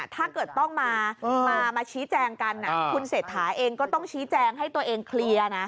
ถ้าเกิดต้องมาชี้แจงกันคุณเศรษฐาเองก็ต้องชี้แจงให้ตัวเองเคลียร์นะ